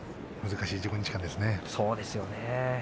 難しい１５日間ですね。